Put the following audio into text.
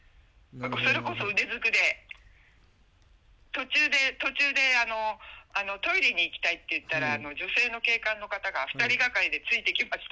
それこそ腕ずくで途中で途中であのトイレに行きたいって言ったら女性の警官の方が２人がかりでついてきました